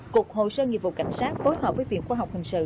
cục hội sơ nghị vụ cảnh sát phối hợp với viện khoa học hình sự